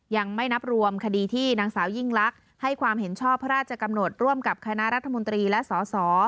ยังไม่นับรวมคดีที่นางสาวยิ่งลักษณ์ให้ความเห็นชอบพระราชกำหนดร่วมกับคณะรัฐมนตรีและสส